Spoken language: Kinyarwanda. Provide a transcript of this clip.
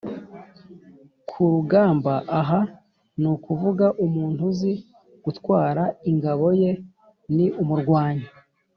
ku rugamba aha ni ukuvuga umuntu uzi gutwara ingabo ye, ni umurwanyi